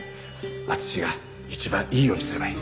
敦が一番いいようにすればいい。